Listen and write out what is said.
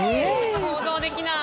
想像できない。